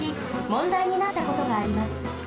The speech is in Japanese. もんだいになったことがあります。